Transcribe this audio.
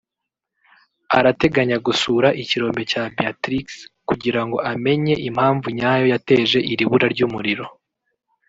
arateganya gusura ikirombe cya Beatrix kugira ngo amenye impamvu nyayo yateje iri bura ry’umuriro